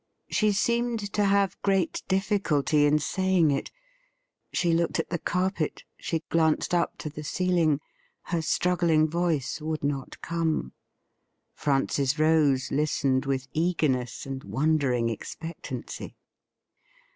She seemed to have great difficulty in saying it. She •HAST THOU FOUND ME OUT?' looked at the carpet ; she glanced up to the ceiling. Her struggling voice would not come. Francis Rose listened with eagerness and wondering expectancy.